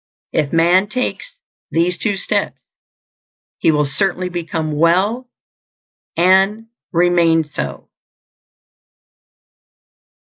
If man takes these two steps, he will certainly become well, and remain so.